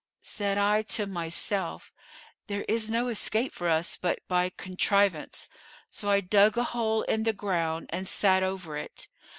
Said I to myself, 'There is no escape for us but by contrivance.' So I dug a hole in the ground and sat over it.